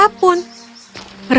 raja dan pangeran berjalan pergi